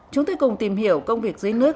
chúng tôi cùng tìm hiểu công việc dưới nước